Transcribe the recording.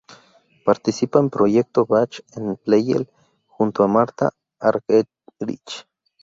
Participa en Proyecto Bach en Pleyel junto a Martha Argerich.